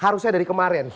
harusnya dari kemarin